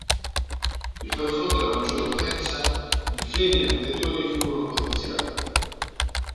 Per far fronte alla maggiore potenza, i freni anteriori furono potenziati.